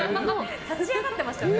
立ち上がってましたね。